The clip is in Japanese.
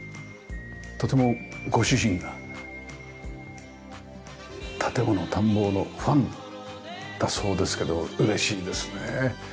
とてもご主人が『建もの探訪』のファンだそうですけど嬉しいですね。